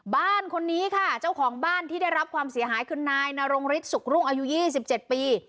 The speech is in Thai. บ้านคนนี้ค่ะเจ้าของบ้านที่ได้รับความเสียหายคือนายนรงฤทธิสุขรุ่งอายุ๒๗ปี